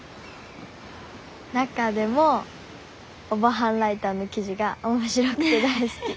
中でもオバハンライターの記事が面白くて大好き。